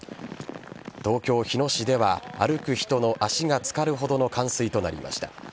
東京・日野市では歩く人の足が浸かるほどの冠水となりました。